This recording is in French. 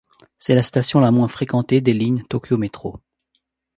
C'est la station la moins fréquentée des lignes Tokyo Metro.